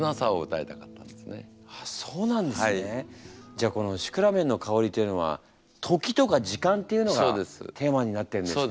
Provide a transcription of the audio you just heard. じゃあこの「シクラメンのかほり」というのは時とか時間っていうのがテーマになってるんですね。